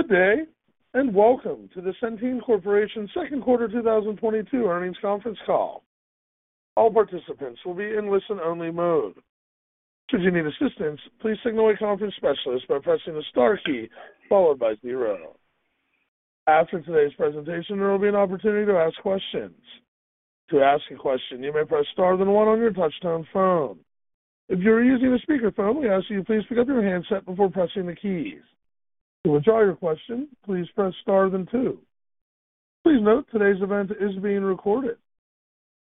Good day, and welcome to the Centene Corporation second quarter 2022 earnings conference call. All participants will be in listen-only mode. Should you need assistance, please signal a conference specialist by pressing the star key followed by zero. After today's presentation, there will be an opportunity to ask questions. To ask a question, you may press star then one on your touch-tone phone. If you are using a speakerphone, we ask that you please pick up your handset before pressing the keys. To withdraw your question, please press star then two. Please note today's event is being recorded.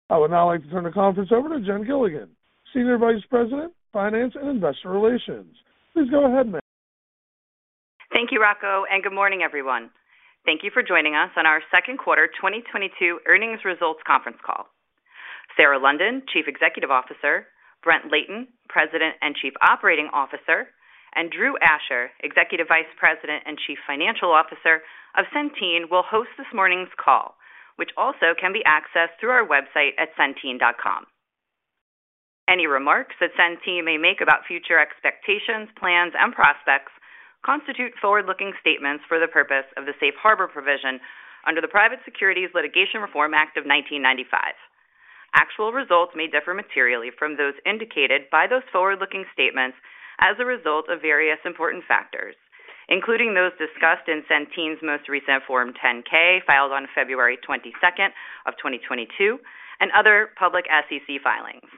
I would now like to turn the conference over to Jennifer Gilligan, Senior Vice President, Finance, and Investor Relations. Please go ahead, ma'am. Thank you, Rocco, and good morning, everyone. Thank you for joining us on our second quarter 2022 earnings results conference call. Sarah London, Chief Executive Officer, Brent Layton, President and Chief Operating Officer, and Drew Asher, Executive Vice President and Chief Financial Officer of Centene, will host this morning's call, which also can be accessed through our website at centene.com. Any remarks that Centene may make about future expectations, plans, and prospects constitute forward-looking statements for the purpose of the Safe Harbor provision under the Private Securities Litigation Reform Act of 1995. Actual results may differ materially from those indicated by those forward-looking statements as a result of various important factors, including those discussed in Centene's most recent Form 10-K, filed on February 22, 2022, and other public SEC filings.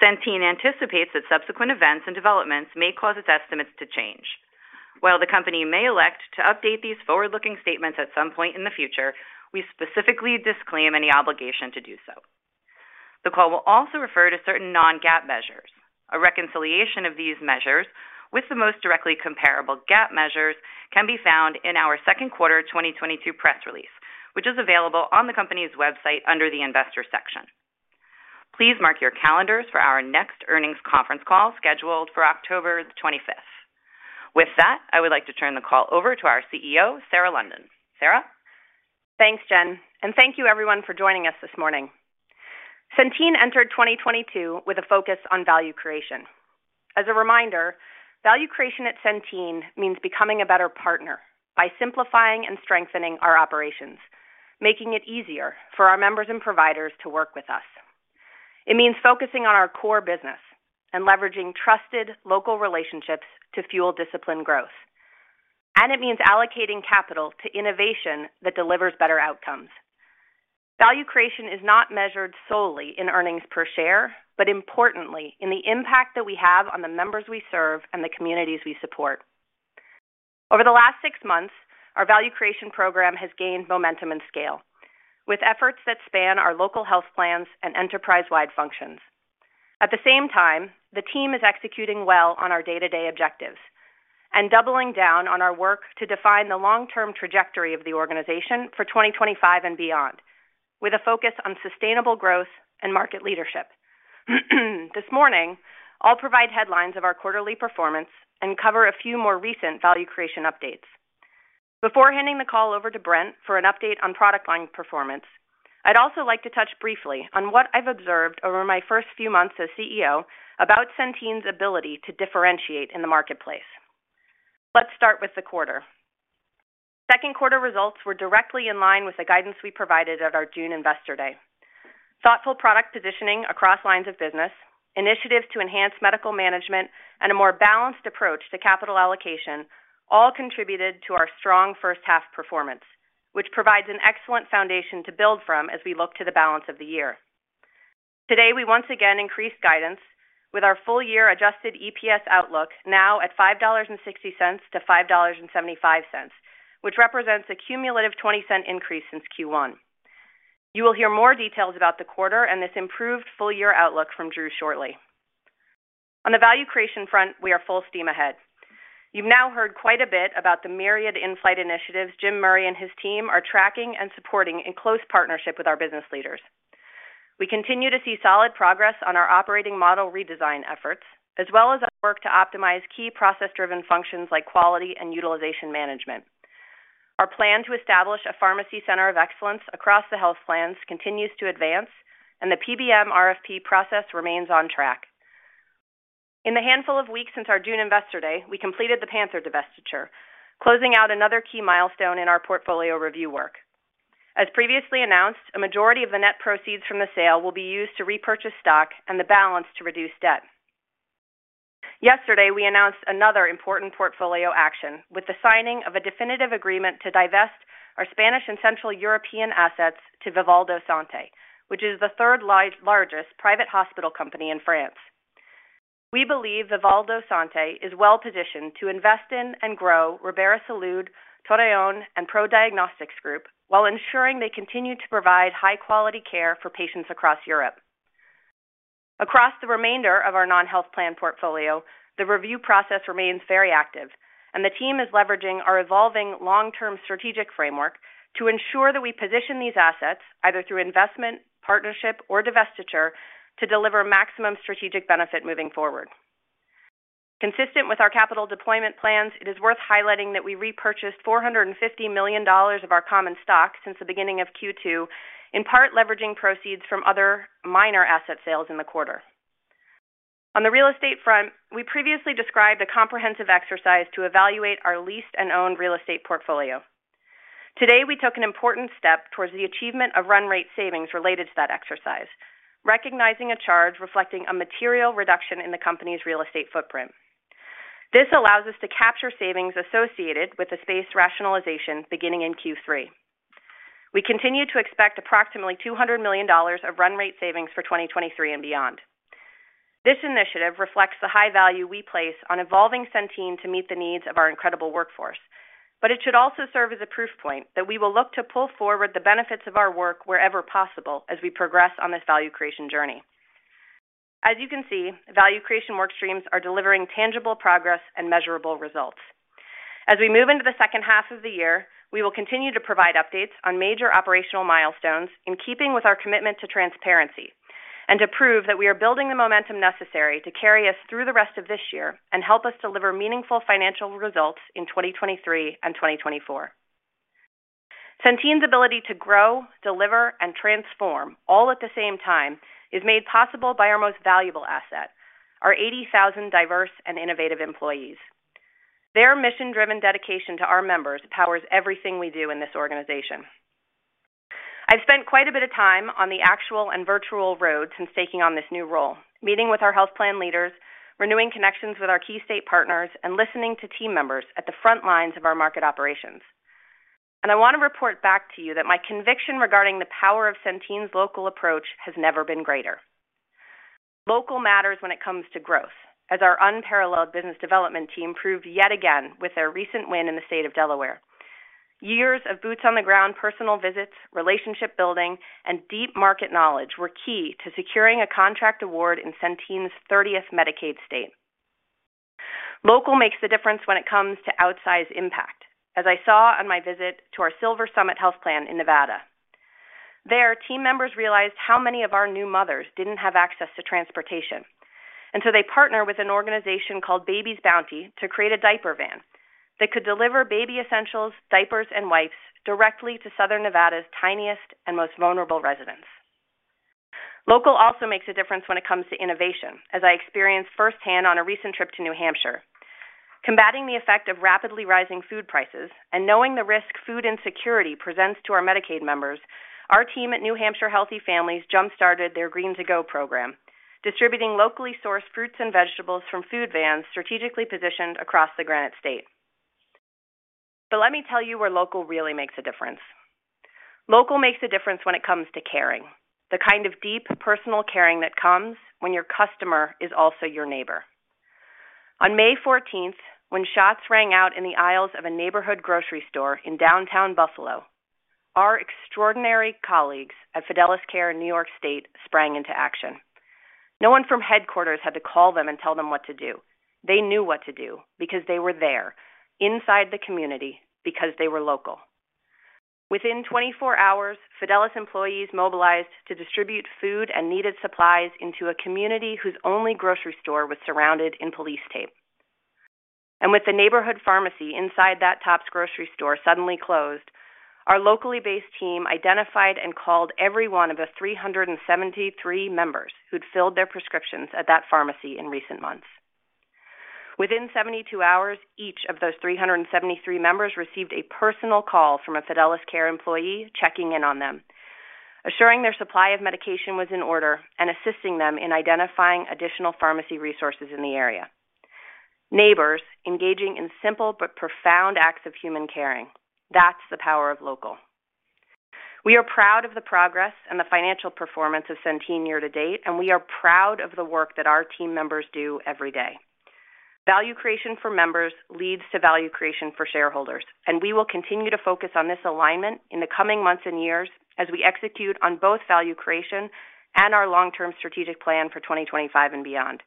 Centene anticipates that subsequent events and developments may cause its estimates to change. While the company may elect to update these forward-looking statements at some point in the future, we specifically disclaim any obligation to do so. The call will also refer to certain non-GAAP measures. A reconciliation of these measures with the most directly comparable GAAP measures can be found in our second quarter 2022 press release, which is available on the company's website under the Investors section. Please mark your calendars for our next earnings conference call scheduled for October 25th. With that, I would like to turn the call over to our CEO, Sarah London. Sarah? Thanks, Jen, and thank you everyone for joining us this morning. Centene entered 2022 with a focus on value creation. As a reminder, value creation at Centene means becoming a better partner by simplifying and strengthening our operations, making it easier for our members and providers to work with us. It means focusing on our core business and leveraging trusted local relationships to fuel disciplined growth. It means allocating capital to innovation that delivers better outcomes. Value creation is not measured solely in earnings per share, but importantly in the impact that we have on the members we serve and the communities we support. Over the last six months, our value creation program has gained momentum and scale, with efforts that span our local health plans and enterprise-wide functions. At the same time, the team is executing well on our day-to-day objectives and doubling down on our work to define the long-term trajectory of the organization for 2025 and beyond, with a focus on sustainable growth and market leadership. This morning, I'll provide headlines of our quarterly performance and cover a few more recent value creation updates. Before handing the call over to Brent for an update on product line performance, I'd also like to touch briefly on what I've observed over my first few months as CEO about Centene's ability to differentiate in the marketplace. Let's start with the quarter. Second quarter results were directly in line with the guidance we provided at our June Investor Day. Thoughtful product positioning across lines of business, initiatives to enhance medical management, and a more balanced approach to capital allocation all contributed to our strong first half performance, which provides an excellent foundation to build from as we look to the balance of the year. Today, we once again increased guidance with our full year adjusted EPS outlook now at $5.60-$5.75, which represents a cumulative $0.20 increase since Q1. You will hear more details about the quarter and this improved full year outlook from Drew shortly. On the value creation front, we are full steam ahead. You've now heard quite a bit about the myriad insight initiatives Jim Murray and his team are tracking and supporting in close partnership with our business leaders. We continue to see solid progress on our operating model redesign efforts, as well as our work to optimize key process-driven functions like quality and utilization management. Our plan to establish a pharmacy center of excellence across the health plans continues to advance, and the PBM RFP process remains on track. In the handful of weeks since our June Investor Day, we completed the PANTHERx divestiture, closing out another key milestone in our portfolio review work. As previously announced, a majority of the net proceeds from the sale will be used to repurchase stock and the balance to reduce debt. Yesterday, we announced another important portfolio action with the signing of a definitive agreement to divest our Spanish and Central European assets to Vivalto Santé, which is the third largest private hospital company in France. We believe Vivalto Santé is well positioned to invest in and grow Ribera Salud, Torrejón, and Pro Diagnostics Group while ensuring they continue to provide high-quality care for patients across Europe. Across the remainder of our non-health plan portfolio, the review process remains very active, and the team is leveraging our evolving long-term strategic framework to ensure that we position these assets, either through investment, partnership, or divestiture, to deliver maximum strategic benefit moving forward. Consistent with our capital deployment plans, it is worth highlighting that we repurchased $450 million of our common stock since the beginning of Q2, in part leveraging proceeds from other minor asset sales in the quarter. On the real estate front, we previously described a comprehensive exercise to evaluate our leased and owned real estate portfolio. Today, we took an important step towards the achievement of run rate savings related to that exercise, recognizing a charge reflecting a material reduction in the company's real estate footprint. This allows us to capture savings associated with the space rationalization beginning in Q3. We continue to expect approximately $200 million of run rate savings for 2023 and beyond. This initiative reflects the high value we place on evolving Centene to meet the needs of our incredible workforce. It should also serve as a proof point that we will look to pull forward the benefits of our work wherever possible as we progress on this value creation journey. As you can see, value creation work streams are delivering tangible progress and measurable results. As we move into the second half of the year, we will continue to provide updates on major operational milestones in keeping with our commitment to transparency and to prove that we are building the momentum necessary to carry us through the rest of this year and help us deliver meaningful financial results in 2023 and 2024. Centene's ability to grow, deliver, and transform all at the same time is made possible by our most valuable asset, our 80,000 diverse and innovative employees. Their mission-driven dedication to our members powers everything we do in this organization. I've spent quite a bit of time on the actual and virtual road since taking on this new role, meeting with our health plan leaders, renewing connections with our key state partners, and listening to team members at the front lines of our market operations. I want to report back to you that my conviction regarding the power of Centene's local approach has never been greater. Local matters when it comes to growth, as our unparalleled business development team proved yet again with their recent win in the state of Delaware. Years of boots on the ground personal visits, relationship building, and deep market knowledge were key to securing a contract award in Centene's 30th Medicaid state. Local makes the difference when it comes to outsize impact, as I saw on my visit to our SilverSummit Healthplan in Nevada. There, team members realized how many of our new mothers didn't have access to transportation. They partnered with an organization called Baby's Bounty to create a diaper van that could deliver baby essentials, diapers, and wipes directly to Southern Nevada's tiniest and most vulnerable residents. Local also makes a difference when it comes to innovation, as I experienced firsthand on a recent trip to New Hampshire. Combating the effect of rapidly rising food prices and knowing the risk food insecurity presents to our Medicaid members, our team at New Hampshire Healthy Families jumpstarted their Green to Go program, distributing locally sourced fruits and vegetables from food vans strategically positioned across the Granite State. Let me tell you where local really makes a difference. Local makes a difference when it comes to caring, the kind of deep personal caring that comes when your customer is also your neighbor. On May 14th, when shots rang out in the aisles of a neighborhood grocery store in downtown Buffalo, our extraordinary colleagues at Fidelis Care in New York State sprang into action. No one from headquarters had to call them and tell them what to do. They knew what to do because they were there inside the community because they were local. Within 24 hours, Fidelis employees mobilized to distribute food and needed supplies into a community whose only grocery store was surrounded in police tape. With the neighborhood pharmacy inside that Tops grocery store suddenly closed, our locally based team identified and called every one of the 373 members who'd filled their prescriptions at that pharmacy in recent months. Within 72 hours, each of those 373 members received a personal call from a Fidelis Care employee checking in on them, assuring their supply of medication was in order, and assisting them in identifying additional pharmacy resources in the area. Neighbors engaging in simple but profound acts of human caring. That's the power of local. We are proud of the progress and the financial performance of Centene year-to-date, and we are proud of the work that our team members do every day. Value creation for members leads to value creation for shareholders, and we will continue to focus on this alignment in the coming months and years as we execute on both value creation and our long-term strategic plan for 2025 and beyond.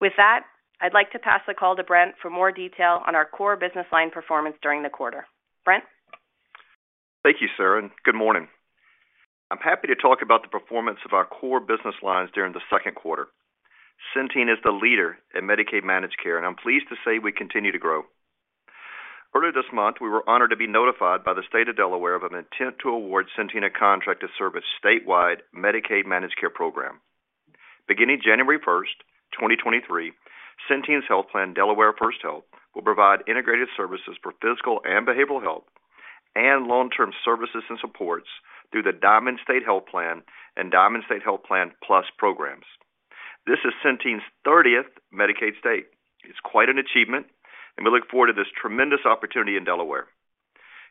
With that, I'd like to pass the call to Brent for more detail on our core business line performance during the quarter. Brent? Thank you, Sarah, and good morning. I'm happy to talk about the performance of our core business lines during the second quarter. Centene is the leader in Medicaid managed care, and I'm pleased to say we continue to grow. Earlier this month, we were honored to be notified by the State of Delaware of an intent to award Centene a contract to serve a statewide Medicaid managed care program. Beginning January 1st, 2023, Centene's health plan, Delaware First Health, will provide integrated services for physical and behavioral health and long-term services and supports through the Diamond State Health Plan and Diamond State Health Plan Plus programs. This is Centene's 30th Medicaid state. It's quite an achievement, and we look forward to this tremendous opportunity in Delaware.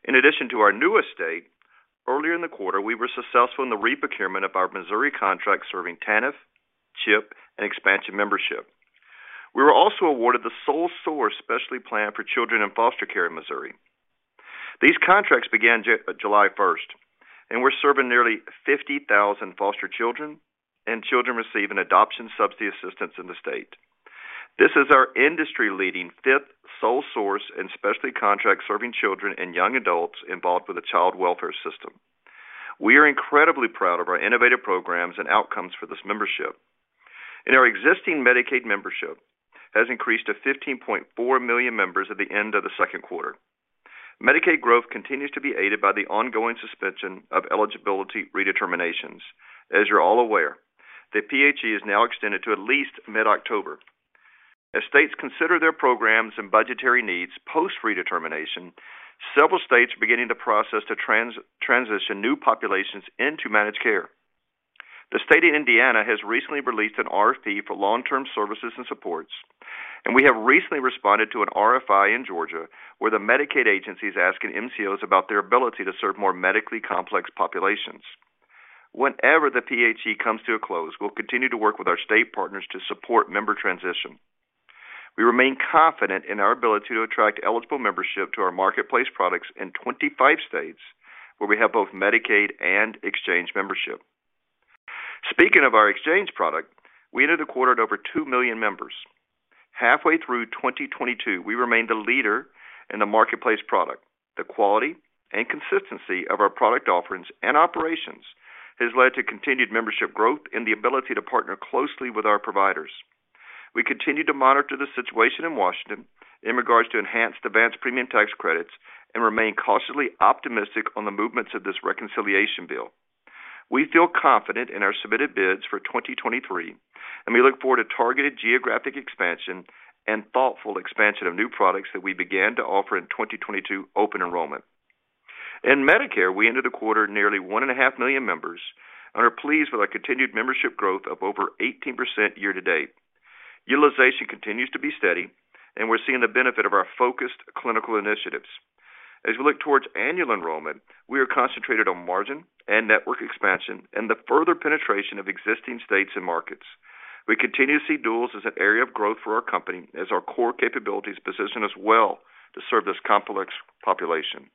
In addition to our newest state, earlier in the quarter, we were successful in the reprocurement of our Missouri contract serving TANF, CHIP, and expansion membership. We were also awarded the sole source specialty plan for children in foster care in Missouri. These contracts began July 1st, and we're serving nearly 50,000 foster children and children receiving adoption subsidy assistance in the state. This is our industry-leading fifth sole source and specialty contract serving children and young adults involved with the child welfare system. We are incredibly proud of our innovative programs and outcomes for this membership. Our existing Medicaid membership has increased to 15.4 million members at the end of the second quarter. Medicaid growth continues to be aided by the ongoing suspension of eligibility redeterminations. As you're all aware, the PHE is now extended to at least mid-October. As states consider their programs and budgetary needs post-redetermination, several states are beginning the process to transition new populations into managed care. The state of Indiana has recently released an RFP for long-term services and supports, and we have recently responded to an RFI in Georgia, where the Medicaid agency is asking MCOs about their ability to serve more medically complex populations. Whenever the PHE comes to a close, we'll continue to work with our state partners to support member transition. We remain confident in our ability to attract eligible membership to our marketplace products in 25 states where we have both Medicaid and exchange membership. Speaking of our exchange product, we ended the quarter at over 2 million members. Halfway through 2022, we remained a leader in the marketplace product. The quality and consistency of our product offerings and operations has led to continued membership growth and the ability to partner closely with our providers. We continue to monitor the situation in Washington in regards to enhanced advance premium tax credits and remain cautiously optimistic on the movements of this reconciliation bill. We feel confident in our submitted bids for 2023, and we look forward to targeted geographic expansion and thoughtful expansion of new products that we began to offer in 2022 open enrollment. In Medicare, we ended the quarter at nearly 1.5 million members and are pleased with our continued membership growth of over 18% year-to-date. Utilization continues to be steady, and we're seeing the benefit of our focused clinical initiatives. As we look towards annual enrollment, we are concentrated on margin and network expansion and the further penetration of existing states and markets. We continue to see duals as an area of growth for our company as our core capabilities position us well to serve this complex population.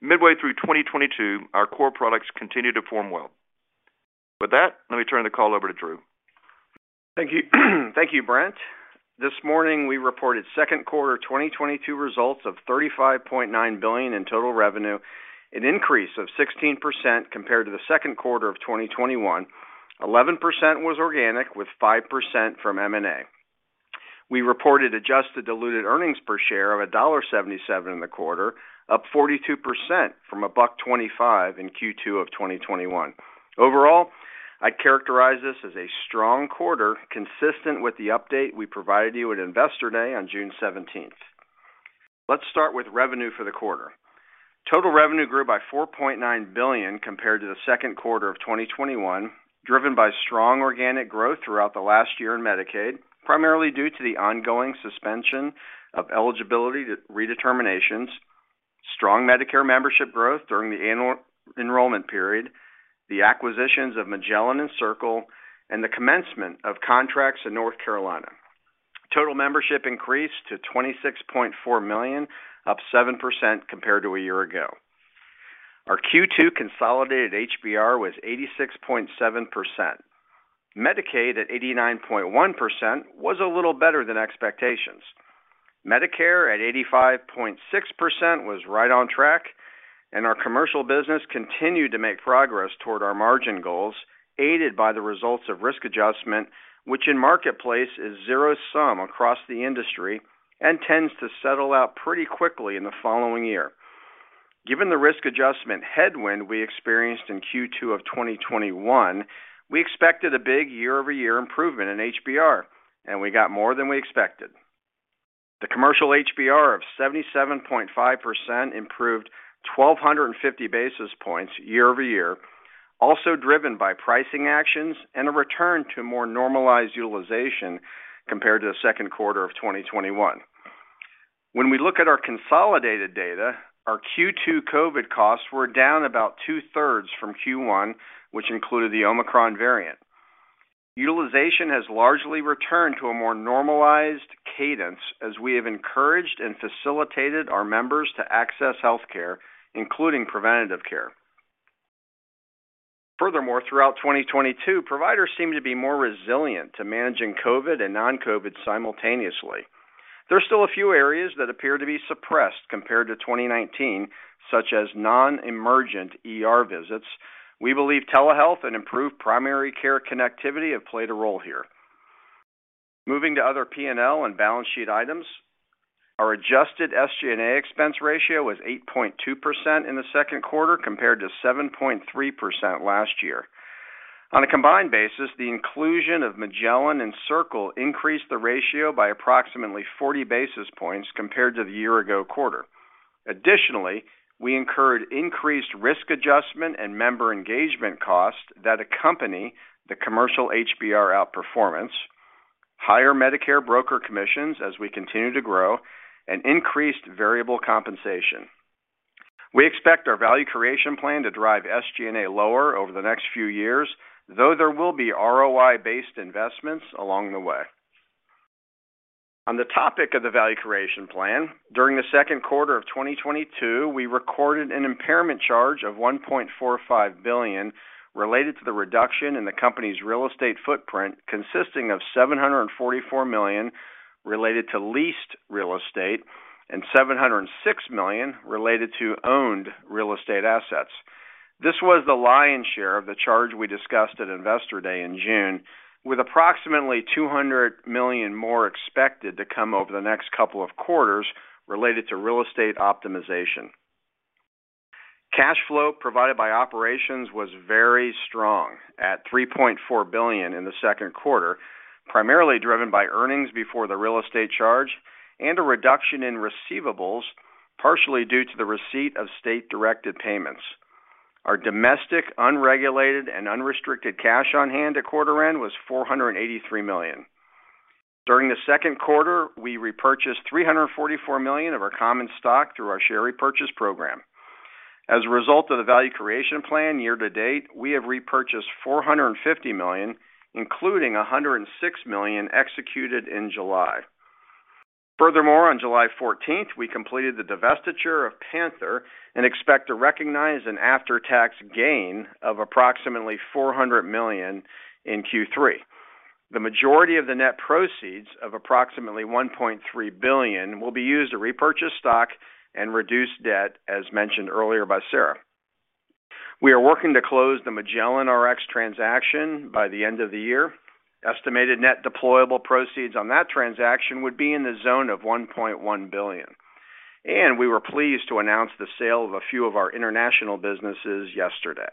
Midway through 2022, our core products continue to perform well. With that, let me turn the call over to Drew. Thank you. Thank you, Brent. This morning, we reported second quarter 2022 results of $35.9 billion in total revenue, an increase of 16% compared to the second quarter of 2021. 11% was organic, with 5% from M&A. We reported adjusted diluted earnings per share of $1.77 in the quarter, up 42% from $1.25 in Q2 of 2021. Overall, I characterize this as a strong quarter, consistent with the update we provided you at Investor Day on June 17th. Let's start with revenue for the quarter. Total revenue grew by $4.9 billion compared to the second quarter of 2021, driven by strong organic growth throughout the last year in Medicaid, primarily due to the ongoing suspension of eligibility redeterminations, strong Medicare membership growth during the annual enrollment period, the acquisitions of Magellan and Circle, and the commencement of contracts in North Carolina. Total membership increased to 26.4 million, up 7% compared to a year ago. Our Q2 consolidated HBR was 86.7%. Medicaid at 89.1% was a little better than expectations. Medicare at 85.6% was right on track, and our commercial business continued to make progress toward our margin goals, aided by the results of risk adjustment, which in Marketplace is zero sum across the industry and tends to settle out pretty quickly in the following year. Given the risk adjustment headwind we experienced in Q2 of 2021, we expected a big year-over-year improvement in HBR, and we got more than we expected. The commercial HBR of 77.5% improved 1,250 basis points year over year, also driven by pricing actions and a return to more normalized utilization compared to the second quarter of 2021. When we look at our consolidated data, our Q2 COVID costs were down about two-thirds from Q1, which included the Omicron variant. Utilization has largely returned to a more normalized cadence as we have encouraged and facilitated our members to access healthcare, including preventative care. Furthermore, throughout 2022, providers seem to be more resilient to managing COVID and non-COVID simultaneously. There are still a few areas that appear to be suppressed compared to 2019, such as non-emergent ER visits. We believe Telehealth and improved primary care connectivity have played a role here. Moving to other P&L and balance sheet items. Our adjusted SG&A expense ratio was 8.2% in the second quarter, compared to 7.3% last year. On a combined basis, the inclusion of Magellan and Circle increased the ratio by approximately 40 basis points compared to the year ago quarter. Additionally, we incurred increased risk adjustment and member engagement costs that accompany the commercial HBR outperformance, higher Medicare broker commissions as we continue to grow, and increased variable compensation. We expect our Value Creation Plan to drive SG&A lower over the next few years, though there will be ROI-based investments along the way. On the topic of the Value Creation Plan, during the second quarter of 2022, we recorded an impairment charge of $1.45 billion related to the reduction in the company's real estate footprint, consisting of $744 million related to leased real estate and $706 million related to owned real estate assets. This was the lion's share of the charge we discussed at Investor Day in June, with approximately $200 million more expected to come over the next couple of quarters related to real estate optimization. Cash flow provided by operations was very strong at $3.4 billion in the second quarter, primarily driven by earnings before the real estate charge and a reduction in receivables, partially due to the receipt of state-directed payments. Our domestic unregulated and unrestricted cash on hand at quarter end was $483 million. During the second quarter, we repurchased $344 million of our common stock through our share repurchase program. As a result of the Value Creation Plan year-to-date, we have repurchased $450 million, including $106 million executed in July. Furthermore, on July 14th, we completed the divestiture of PANTHERx and expect to recognize an after-tax gain of approximately $400 million in Q3. The majority of the net proceeds of approximately $1.3 billion will be used to repurchase stock and reduce debt, as mentioned earlier by Sarah. We are working to close the Magellan Rx transaction by the end of the year. Estimated net deployable proceeds on that transaction would be in the zone of $1.1 billion. We were pleased to announce the sale of a few of our international businesses yesterday.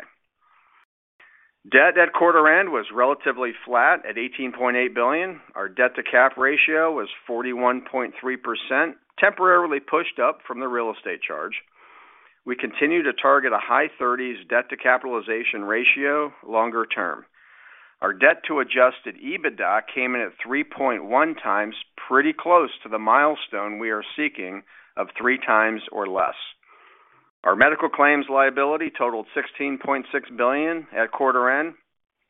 Debt at quarter end was relatively flat at $18.8 billion. Our debt-to-cap ratio was 41.3%, temporarily pushed up from the real estate charge. We continue to target a high thirties debt-to-capitalization ratio longer term. Our debt to Adjusted EBITDA came in at 3.1x, pretty close to the milestone we are seeking of 3x or less. Our medical claims liability totaled $16.6 billion at quarter end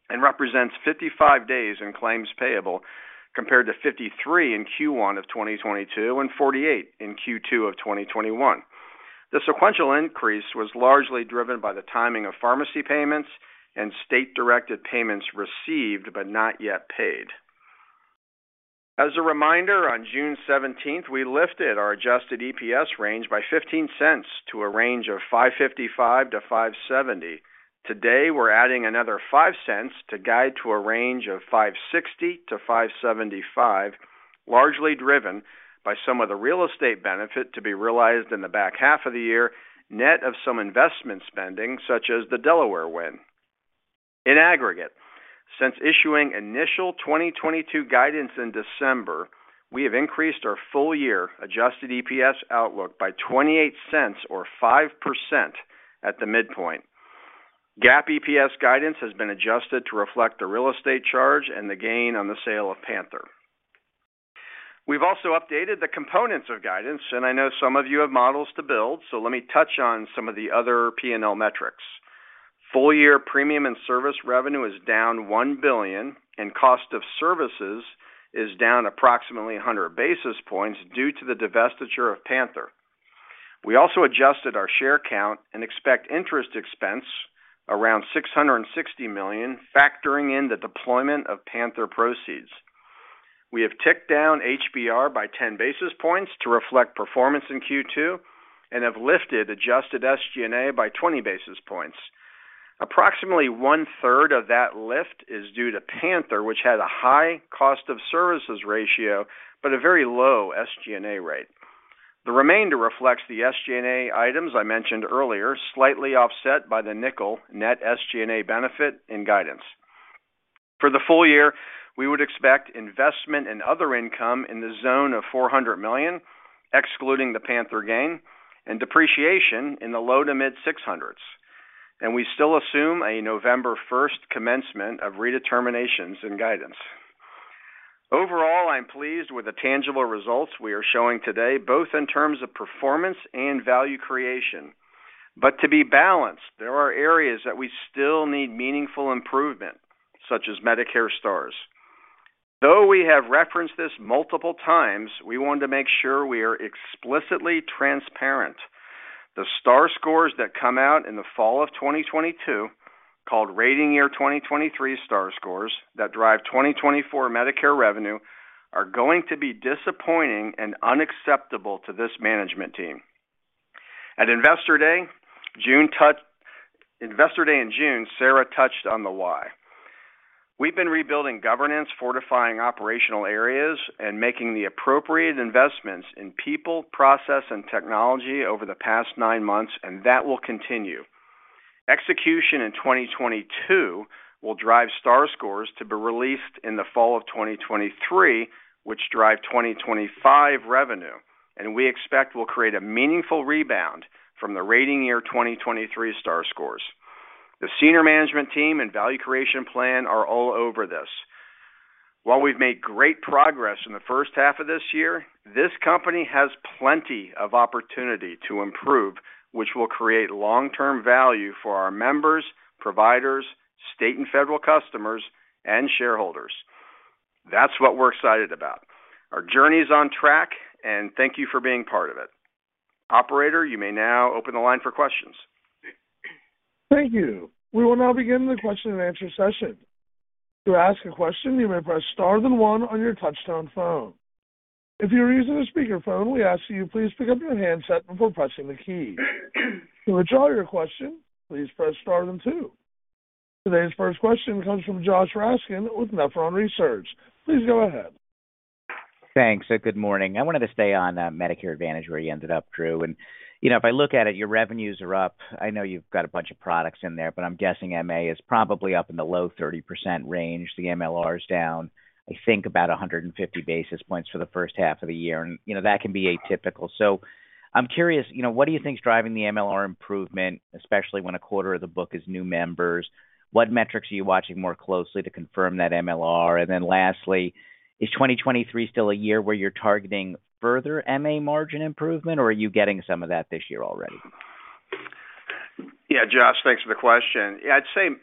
and represents 55 days in claims payable, compared to 53 in Q1 of 2022 and 48 in Q2 of 2021. The sequential increase was largely driven by the timing of pharmacy payments and state-directed payments received but not yet paid. As a reminder, on June 17th, we lifted our adjusted EPS range by $0.15 to a range of $5.55-$5.70. Today, we're adding another $0.05 to guide to a range of $5.60-$5.75, largely driven by some of the real estate benefit to be realized in the back half of the year, net of some investment spending such as the Delaware win. In aggregate, since issuing initial 2022 guidance in December, we have increased our full year adjusted EPS outlook by $0.28 or 5% at the midpoint. GAAP EPS guidance has been adjusted to reflect the real estate charge and the gain on the sale of PANTHERx. We've also updated the components of guidance, and I know some of you have models to build, so let me touch on some of the other P&L metrics. Full year premium and service revenue is down $1 billion, and cost of services is down approximately 100 basis points due to the divestiture of PANTHERx. We also adjusted our share count and expect interest expense around $660 million, factoring in the deployment of PANTHERx proceeds. We have ticked down HBR by 10 basis points to reflect performance in Q2 and have lifted adjusted SG&A by 20 basis points. Approximately one-third of that lift is due to PANTHERx, which had a high cost of services ratio, but a very low SG&A rate. The remainder reflects the SG&A items I mentioned earlier, slightly offset by the nickel net SG&A benefit in guidance. For the full year, we would expect investment and other income in the zone of $400 million, excluding the PANTHERx gain, and depreciation in the low to mid $600s. We still assume a November 1st commencement of redeterminations in guidance. Overall, I'm pleased with the tangible results we are showing today, both in terms of performance and value creation. To be balanced, there are areas that we still need meaningful improvement, such as Medicare Stars. Though we have referenced this multiple times, we want to make sure we are explicitly transparent. The Star scores that come out in the fall of 2022, called rating year 2023 Star scores that drive 2024 Medicare revenue, are going to be disappointing and unacceptable to this management team. At Investor Day in June, Sarah touched on the why. We've been rebuilding governance, fortifying operational areas, and making the appropriate investments in people, process, and technology over the past nine months, and that will continue. Execution in 2022 will drive Star scores to be released in the fall of 2023, which drive 2025 revenue, and we expect will create a meaningful rebound from the rating year 2023 Star scores. The senior management team and Value Creation Plan are all over this. While we've made great progress in the first half of this year, this company has plenty of opportunity to improve, which will create long-term value for our members, providers, state and federal customers, and shareholders. That's what we're excited about. Our journey is on track, and thank you for being part of it. Operator, you may now open the line for questions. Thank you. We will now begin the question and answer session. To ask a question, you may press star then one on your touchtone phone. If you're using a speakerphone, we ask that you please pick up your handset before pressing the key. To withdraw your question, please press star then two. Today's first question comes from Josh Raskin with Nephron Research. Please go ahead. Thanks, good morning. I wanted to stay on, Medicare Advantage, where you ended up, Drew. You know, if I look at it, your revenues are up. I know you've got a bunch of products in there, but I'm guessing MA is probably up in the low 30% range. The MLR is down, I think about 150 basis points for the first half of the year. You know, that can be atypical. I'm curious, you know, what do you think is driving the MLR improvement, especially when a quarter of the book is new members? What metrics are you watching more closely to confirm that MLR? Lastly, is 2023 still a year where you're targeting further MA margin improvement, or are you getting some of that this year already? Yeah, Josh, thanks for the question. Yeah, I'd say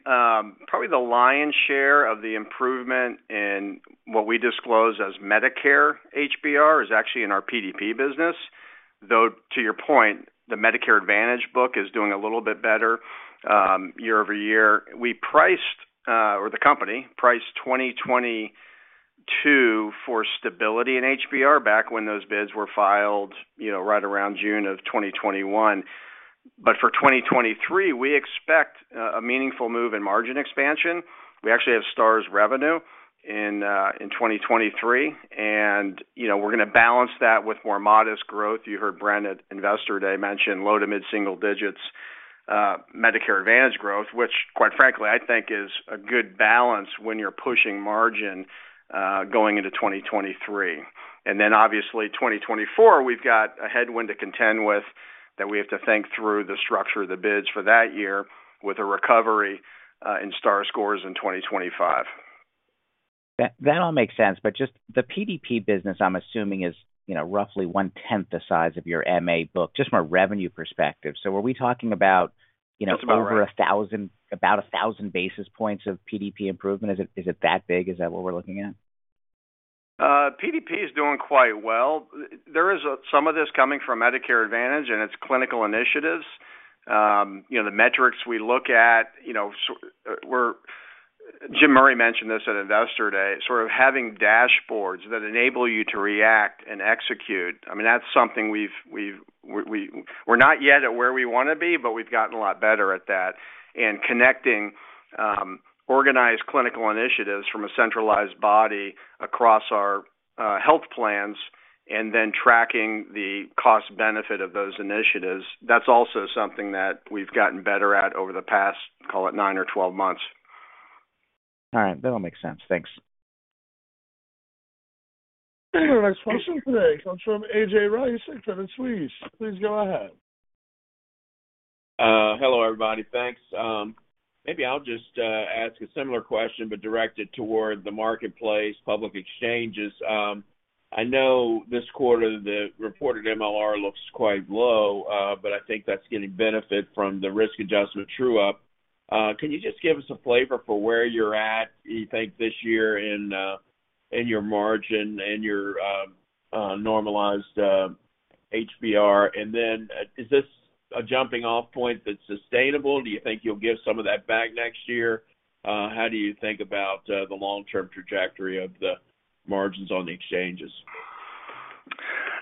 probably the lion's share of the improvement in what we disclose as Medicare HBR is actually in our PDP business. Though, to your point, the Medicare Advantage book is doing a little bit better year-over-year. We priced or the company priced 2022 for stability in HBR back when those bids were filed, you know, right around June of 2021. For 2023, we expect a meaningful move in margin expansion. We actually have Stars revenue in 2023. And, you know, we're gonna balance that with more modest growth. You heard Brent at Investor Day mention low- to mid-single digits Medicare Advantage growth, which quite frankly, I think is a good balance when you're pushing margin going into 2023. Obviously, 2024, we've got a headwind to contend with that we have to think through the structure of the bids for that year with a recovery in Star scores in 2025. That all makes sense. Just the PDP business, I'm assuming is, you know, roughly one-tenth the size of your MA book, just from a revenue perspective. Are we talking about, you know- That's about right. Over 1,000, about 1,000 basis points of PDP improvement? Is it that big? Is that what we're looking at? PDP is doing quite well. There is some of this coming from Medicare Advantage and its clinical initiatives. You know, the metrics we look at, you know, Jim Murray mentioned this at Investor Day, sort of having dashboards that enable you to react and execute. I mean, that's something we've. We're not yet at where we want to be, but we've gotten a lot better at that. Connecting organized clinical initiatives from a centralized body across our health plans and then tracking the cost-benefit of those initiatives, that's also something that we've gotten better at over the past, call it 9 or 12 months. All right. That all makes sense. Thanks. Our next question today comes from A.J. Rice at Credit Suisse. Please go ahead. Hello, everybody. Thanks. Maybe I'll just ask a similar question, but direct it toward the marketplace public exchanges. I know this quarter the reported MLR looks quite low, but I think that's getting benefit from the risk adjustment true up. Can you just give us a flavor for where you're at, you think this year in your margin and your normalized HBR? And then, is this a jumping off point that's sustainable? Do you think you'll give some of that back next year? How do you think about the long-term trajectory of the margins on the exchanges?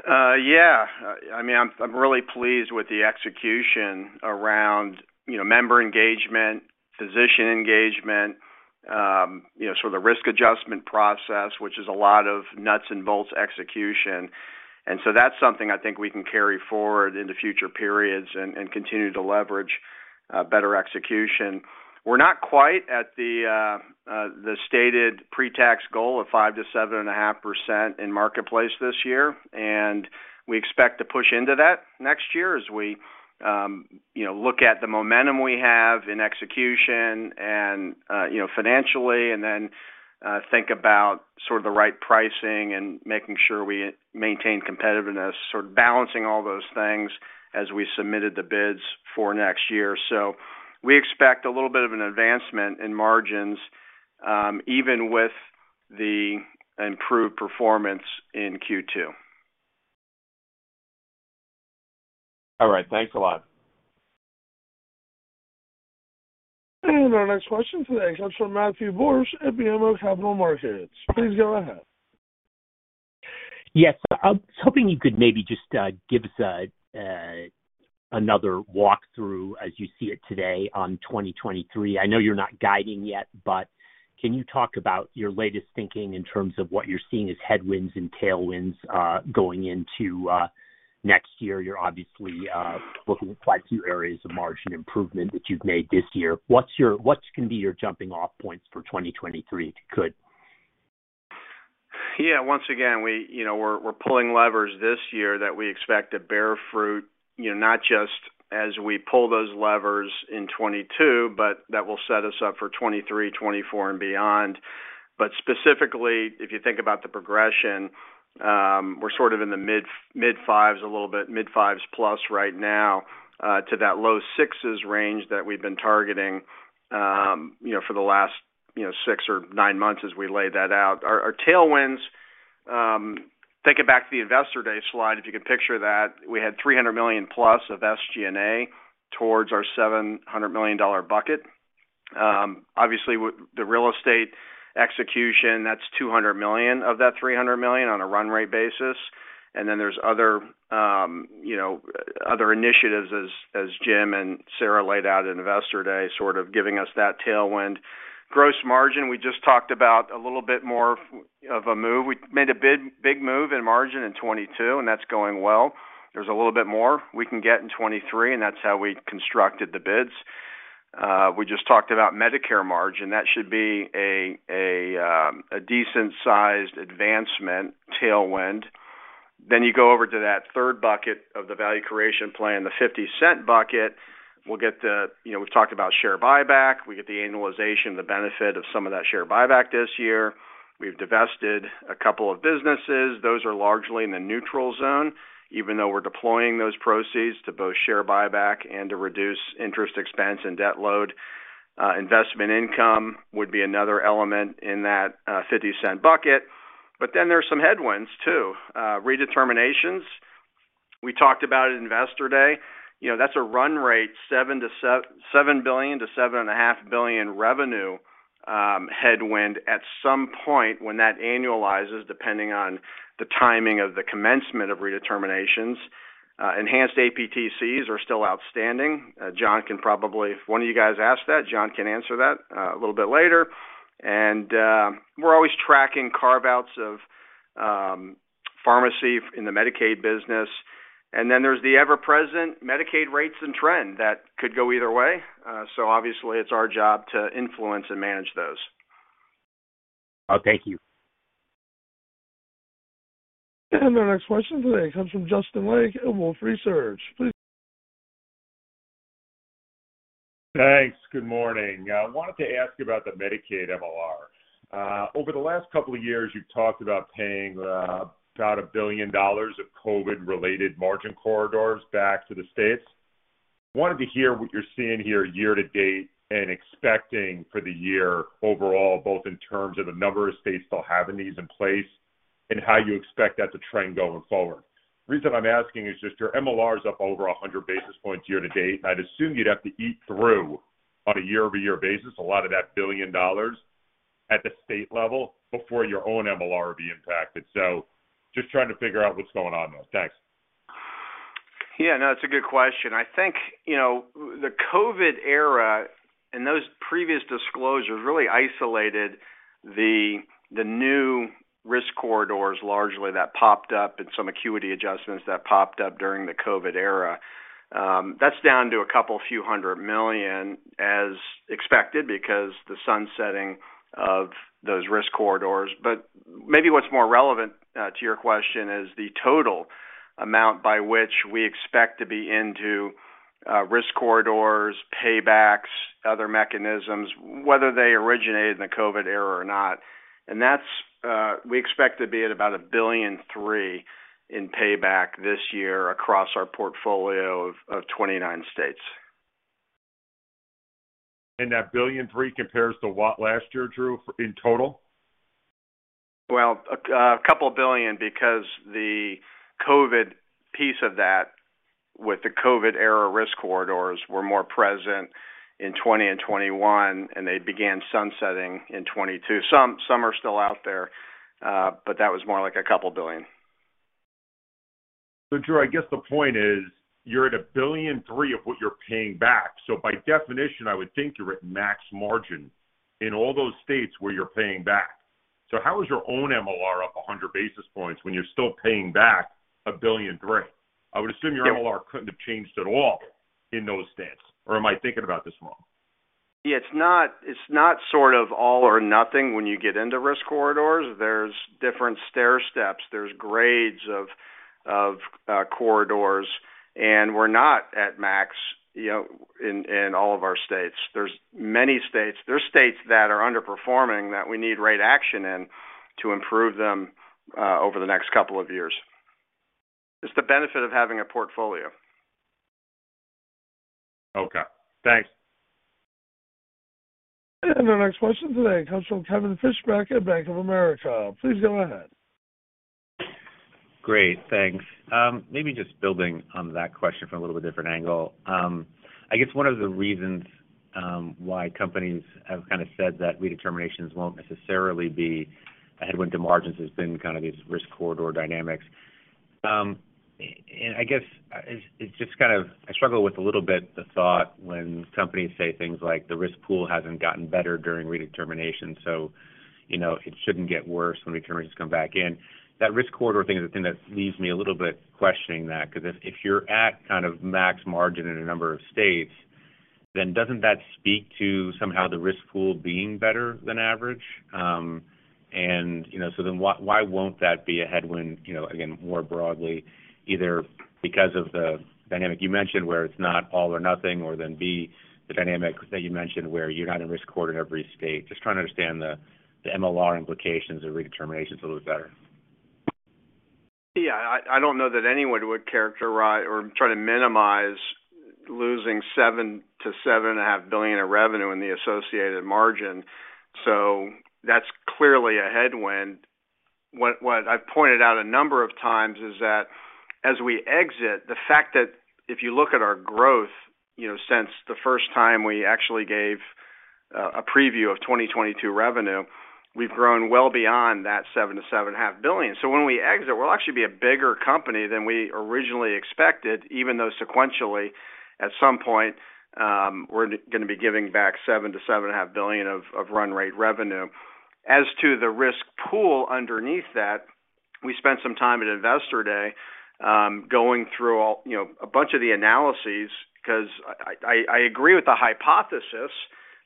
Yeah. I mean, I'm really pleased with the execution around, you know, member engagement, physician engagement, you know, sort of the risk adjustment process, which is a lot of nuts and bolts execution. That's something I think we can carry forward into future periods and continue to leverage better execution. We're not quite at the stated pre-tax goal of 5%-7.5% in marketplace this year, and we expect to push into that next year as we, you know, look at the momentum we have in execution and, you know, financially and then think about sort of the right pricing and making sure we maintain competitiveness, sort of balancing all those things as we submitted the bids for next year. We expect a little bit of an advancement in margins, even with the improved performance in Q2. All right. Thanks a lot. Our next question today comes from Matthew Borsch at BMO Capital Markets. Please go ahead. Yes. I was hoping you could maybe just give us another walk through as you see it today on 2023. I know you're not guiding yet, but can you talk about your latest thinking in terms of what you're seeing as headwinds and tailwinds going into next year? You're obviously looking at quite a few areas of margin improvement that you've made this year. What's gonna be your jumping off points for 2023, if you could? Yeah, once again, we're pulling levers this year that we expect to bear fruit, you know, not just as we pull those levers in 2022, but that will set us up for 2023, 2024 and beyond. Specifically, if you think about the progression, we're sort of in the mid-5s a little bit, mid-5s plus right now, to that low-6s range that we've been targeting, you know, for the last, you know, six or nine months as we laid that out. Our tailwinds, thinking back to the Investor Day slide, if you can picture that, we had $300 million plus of SG&A towards our $700 million bucket. Obviously with the real estate execution, that's $200 million of that $300 million on a run rate basis. Then there's other, you know, other initiatives as Jim and Sarah laid out at Investor Day, sort of giving us that tailwind. Gross margin, we just talked about a little bit more of a move. We made a big move in margin in 2022, and that's going well. There's a little bit more we can get in 2023, and that's how we constructed the bids. We just talked about Medicare margin. That should be a decent sized advancement tailwind. You go over to that third bucket of the Value Creation Plan, the $0.50 bucket. You know, we've talked about share buyback. We get the annualization, the benefit of some of that share buyback this year. We've divested a couple of businesses. Those are largely in the neutral zone, even though we're deploying those proceeds to both share buyback and to reduce interest expense and debt load. Investment income would be another element in that $0.50 bucket. Then there's some headwinds too. Redeterminations, we talked about at Investor Day. You know, that's a run rate, $7 billion-$7.5 billion revenue headwind at some point when that annualizes, depending on the timing of the commencement of redeterminations. Enhanced APTCs are still outstanding. Jon can probably if one of you guys asked that, Jon can answer that a little bit later. We're always tracking carve-outs of pharmacy in the Medicaid business. There's the ever-present Medicaid rates and trend that could go either way. Obviously it's our job to influence and manage those. Thank you. Our next question today comes from Justin Lake at Wolfe Research. Please go ahead. Thanks. Good morning. I wanted to ask you about the Medicaid MLR. Over the last couple of years, you've talked about paying about $1 billion of COVID-related margin corridors back to the states. Wanted to hear what you're seeing here year-to-date and expecting for the year overall, both in terms of the number of states still having these in place and how you expect that to trend going forward. The reason I'm asking is just your MLR is up over 100 basis points year-to-date, and I'd assume you'd have to eat through on a year-over-year basis a lot of that $1 billion at the state level before your own MLR would be impacted. Just trying to figure out what's going on there. Thanks. Yeah. No, it's a good question. I think, you know, the COVID era and those previous disclosures really isolated the new risk corridors largely that popped up and some acuity adjustments that popped up during the COVID era. That's down to a few hundred million as expected because the sunsetting of those risk corridors. But maybe what's more relevant to your question is the total amount by which we expect to be into risk corridors, paybacks, other mechanisms, whether they originated in the COVID era or not. That's we expect to be at about $1.3 billion in payback this year across our portfolio of 29 states. That $1.3 billion compares to what last year, Drew, in total? Well, a couple billion because the COVID piece of that with the COVID era risk corridors were more present in 2020 and 2021, and they began sunsetting in 2022. Some are still out there, but that was more like a couple billion. Drew, I guess the point is, you're at $1.3 billion of what you're paying back. By definition, I would think you're at max margin in all those states where you're paying back. How is your own MLR up 100 basis points when you're still paying back $1.3 billion? I would assume your MLR couldn't have changed at all in those states. Am I thinking about this wrong? Yeah. It's not sort of all or nothing when you get into risk corridors. There's different stairsteps, there's grades of corridors, and we're not at max, you know, in all of our states. There are states that are underperforming that we need rate action in to improve them over the next couple of years. Just the benefit of having a portfolio. Okay. Thanks. Our next question today comes from Kevin Fischbeck at Bank of America. Please go ahead. Great. Thanks. Maybe just building on that question from a little bit different angle. I guess one of the reasons why companies have kind of said that redeterminations won't necessarily be a headwind to margins has been kind of these risk corridor dynamics. I guess it's just kind of, I struggle with a little bit the thought when companies say things like, "The risk pool hasn't gotten better during redetermination, so, you know, it shouldn't get worse when redeterminations come back in." That risk corridor thing is the thing that leaves me a little bit questioning that, 'cause if you're at kind of max margin in a number of states, then doesn't that speak to somehow the risk pool being better than average? You know, why won't that be a headwind, you know, again, more broadly, either because of the dynamic you mentioned where it's not all or nothing, or then B, the dynamic that you mentioned where you're not in risk corridor in every state? Just trying to understand the MLR implications of redeterminations a little better. Yeah. I don't know that anyone would characterize or try to minimize losing $7 billion-$7.5 billion of revenue in the associated margin, so that's clearly a headwind. What I've pointed out a number of times is that as we exit, the fact that if you look at our growth, you know, since the first time we actually gave a preview of 2022 revenue, we've grown well beyond that $7 billion-$7.5 billion. So when we exit, we'll actually be a bigger company than we originally expected, even though sequentially, at some point, we're gonna be giving back $7 billion-$7.5 billion of run rate revenue. As to the risk pool underneath that, we spent some time at Investor Day, going through, you know, a bunch of the analyses 'cause I agree with the hypothesis,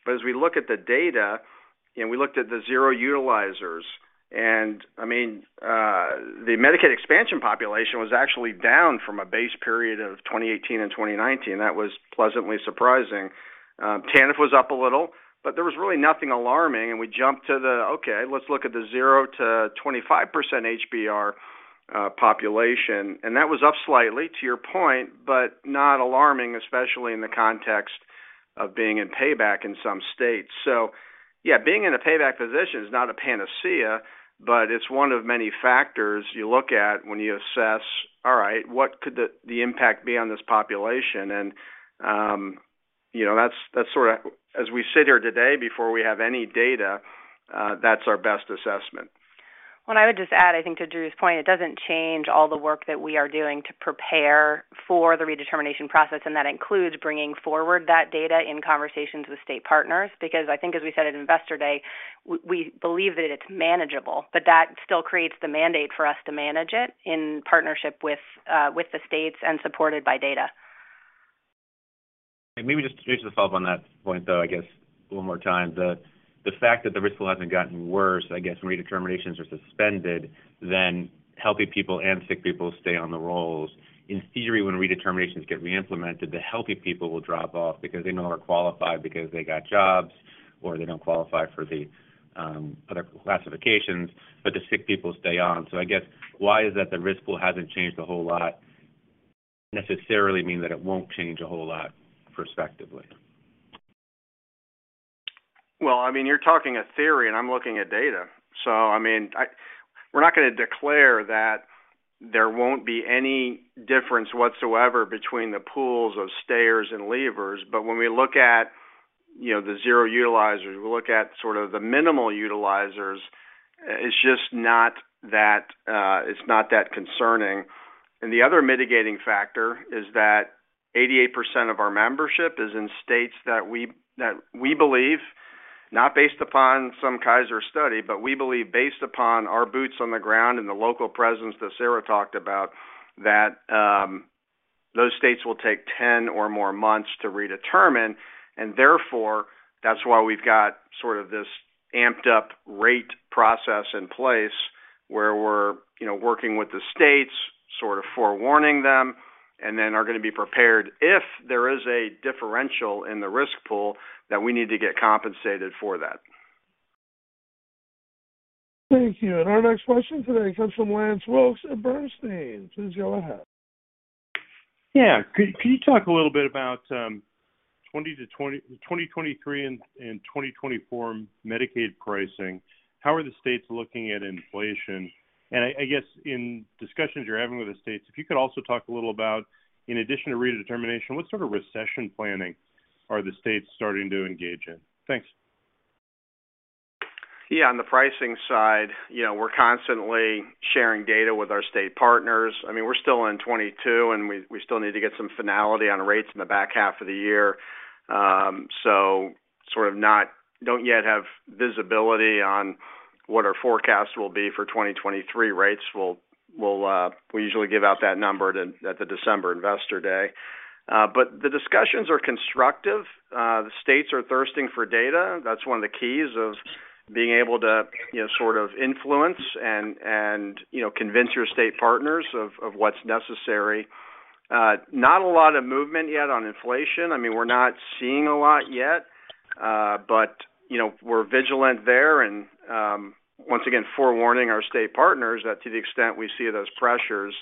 but as we look at the data and we looked at the zero utilizers, and, I mean, the Medicaid expansion population was actually down from a base period of 2018 and 2019. That was pleasantly surprising. TANF was up a little, but there was really nothing alarming, and we jumped to the, okay, let's look at the zero to 25% HBR population. That was up slightly, to your point, but not alarming, especially in the context of being in payback in some states. Yeah, being in a payback position is not a panacea, but it's one of many factors you look at when you assess, all right, what could the impact be on this population? You know, that's sorta as we sit here today before we have any data, that's our best assessment. What I would just add, I think to Drew's point, it doesn't change all the work that we are doing to prepare for the redetermination process, and that includes bringing forward that data in conversations with state partners. Because I think as we said at Investor Day, we believe that it's manageable, but that still creates the mandate for us to manage it in partnership with the states and supported by data. Maybe just to follow up on that point, though, I guess one more time. The fact that the risk still hasn't gotten worse, I guess when redeterminations are suspended, then healthy people and sick people stay on the rolls. In theory, when redeterminations get reimplemented, the healthy people will drop off because they no longer qualify because they got jobs or they don't qualify for the other classifications, but the sick people stay on. I guess why is it that the risk pool hasn't changed a whole lot necessarily mean that it won't change a whole lot prospectively? Well, I mean, you're talking a theory, and I'm looking at data. I mean, we're not gonna declare that there won't be any difference whatsoever between the pools of stayers and leavers. When we look at, you know, the zero utilizers, we look at sort of the minimal utilizers, it's just not that, it's not that concerning. The other mitigating factor is that 88% of our membership is in states that we believe, not based upon some Kaiser study, but we believe based upon our boots on the ground and the local presence that Sarah talked about, that those states will take 10 or more months to redetermine, and therefore, that's why we've got sort of this amped up rate process in place where we're, you know, working with the states, sort of forewarning them, and then are gonna be prepared if there is a differential in the risk pool that we need to get compensated for that. Thank you. Our next question today comes from Lance Wilkes at Bernstein. Please go ahead. Yeah. Could you talk a little bit about 2023 and 2024 Medicaid pricing? How are the states looking at inflation? I guess in discussions you're having with the states, if you could also talk a little about, in addition to redetermination, what sort of recession planning are the states starting to engage in? Thanks. Yeah. On the pricing side, you know, we're constantly sharing data with our state partners. I mean, we're still in 2022, and we still need to get some finality on rates in the back half of the year. Don't yet have visibility on what our forecast will be for 2023 rates. We'll usually give out that number at the December Investor Day. The discussions are constructive. The states are thirsting for data. That's one of the keys of being able to, you know, sort of influence and you know, convince your state partners of what's necessary. Not a lot of movement yet on inflation. I mean, we're not seeing a lot yet, but, you know, we're vigilant there and, once again, forewarning our state partners that to the extent we see those pressures,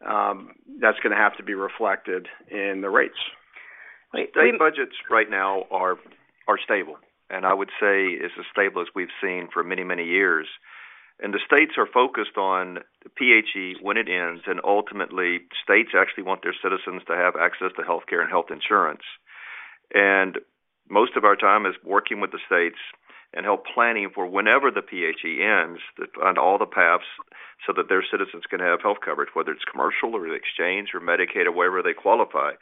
that's gonna have to be reflected in the rates. State budgets right now are stable, and I would say is as stable as we've seen for many, many years. The states are focused on the PHE when it ends, and ultimately, states actually want their citizens to have access to healthcare and health insurance. Most of our time is working with the states and help planning for whenever the PHE ends on all the paths so that their citizens can have health coverage, whether it's commercial or the exchange or Medicaid or wherever they qualify.